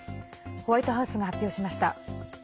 ホワイトハウスが発表しました。